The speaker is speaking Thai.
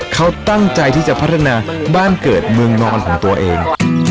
เขาตั้งใจที่จะพัฒนาบ้านเกิดเมืองนอนของตัวเอง